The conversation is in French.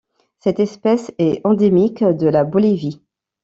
Cette espèce est endémique de la Bolivie.